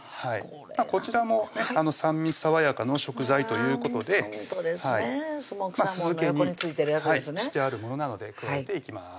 こちらも「酸味さわやか」の食材ということで酢漬けにしてあるものなので加えていきます